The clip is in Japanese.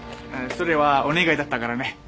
あっそれはお願いだったからね。